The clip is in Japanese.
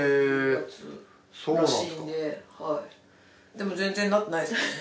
でも全然なってないですよね？